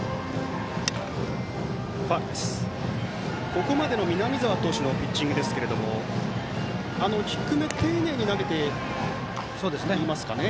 ここまでの南澤投手のピッチングですけども低めに丁寧に投げていますかね。